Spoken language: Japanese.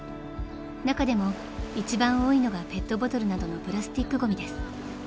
［中でも一番多いのがペットボトルなどのプラスチックごみです］